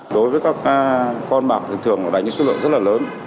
đối với các con bạc thường thường đánh suất lợi rất là lớn